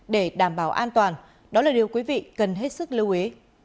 để đảm bảo an toàn đó là điều quý vị cần hết sức lưu ý